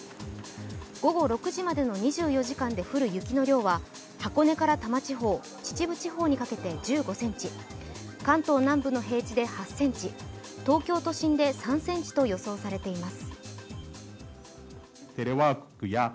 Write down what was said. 午後６時までの２４時間で降る雪の量は箱根から多摩地方、秩父地方にかけて１５ｃｍ、関東南部の平地で８ｃｍ、東京都心で３ｃｍと予想されています。